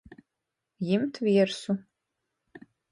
Jimt viersu.